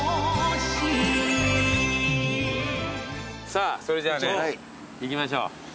さぁそれではね行きましょう。